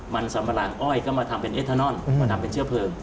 มันสัมปรังอ้อยก็มาทำเป็นเอทานอนมาทำเป็นเชื้อเพลิง